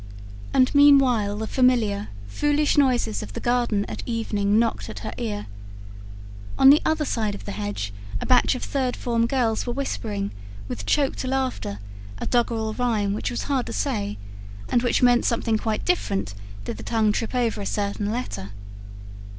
And meanwhile the familiar, foolish noises of the garden at evening knocked at her ear. On the other side of the hedge a batch of third form girls were whispering, with choked laughter, a doggerel rhyme which was hard to say, and which meant something quite different did the tongue trip over a certain letter.